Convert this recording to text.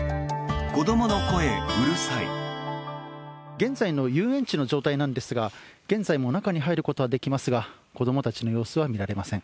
現在の遊園地の状態なんですが現在も中に入ることはできますが子どもたちの様子は見られません。